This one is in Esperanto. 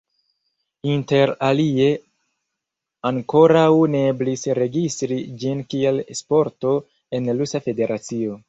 Interalie ankoraŭ ne eblis registri ĝin kiel sporto en Rusa Federacio.